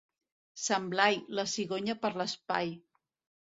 Sant Blai, la cigonya per l'espai.